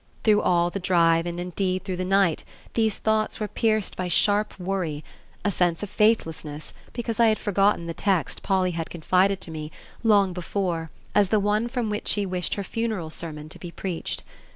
Through all the drive and indeed throughout the night these thoughts were pierced by sharp worry, a sense of faithlessness because I had forgotten the text Polly had confided to me long before as the one from which she wished her funeral sermon to be preached.